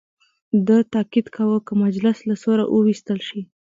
ده تاکید کاوه که مجلس له سوره وویستل شي.